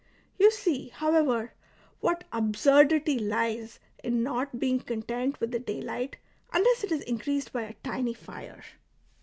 You see, however, what absurdity lies in not being content with the daylight unless it is increased by a tiny fire.